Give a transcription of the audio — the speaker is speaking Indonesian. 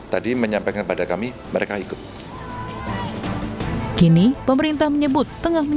tiga ketua umum yang lain